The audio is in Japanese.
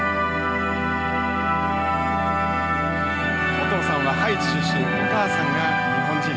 お父さんはハイチ出身お母さんが日本人。